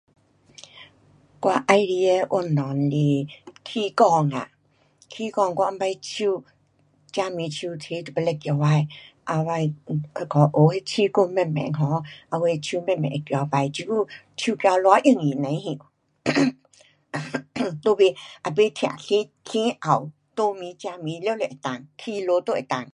我喜欢的运动是气功啊。气功我以前手，右边手提到提不起来，后尾学那气功慢慢 um 后尾手慢慢会拿起。这久手拿多容易不知。 都不，都不痛，右边左边，起落都能够。